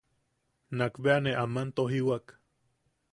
Nakbea ne aman tojiwak: